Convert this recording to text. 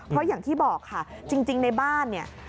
เพราะอย่างที่บอกค่ะจริงในบ้านเนี่ย